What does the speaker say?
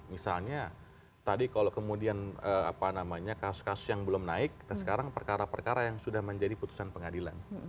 misalnya tadi kalau kemudian kasus kasus yang belum naik sekarang perkara perkara yang sudah menjadi putusan pengadilan